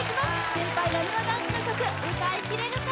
先輩なにわ男子の曲歌いきれるか